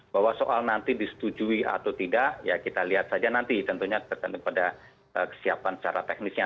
bahwa soal nanti disetujui atau tidak ya kita lihat saja nanti tentunya tergantung pada kesiapan secara teknisnya